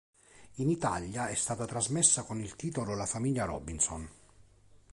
In Italia è stata trasmessa con il titolo "La famiglia Robinson".